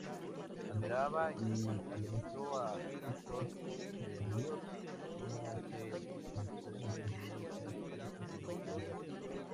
Admiraba y alentó a Hector Berlioz, como se desprende de su extensa correspondencia.